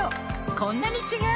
こんなに違う！